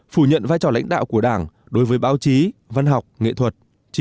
phủ nhận vai trò lãnh đạo của đảng đối với báo chí văn học nghệ thuật